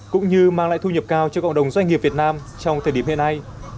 cũng như mang lại thu nhập cao cho cộng đồng doanh nghiệp việt nam trong thời điểm hiện nay